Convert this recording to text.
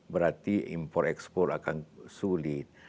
berarti impor ekspor akan sulit